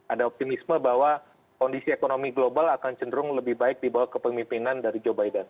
ada optimisme bahwa kondisi ekonomi global akan cenderung lebih baik dibawah kepemimpinan dari joe biden